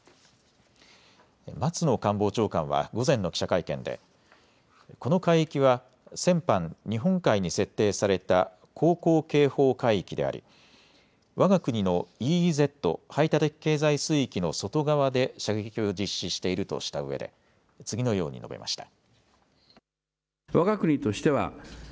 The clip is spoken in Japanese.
松野官房長官は午前の記者会見でこの海域は先般、日本海に設定された航行警報海域でありわが国のＥＥＺ・排他的経済水域の外側で射撃を実施しているとしたうえで次のように述べました。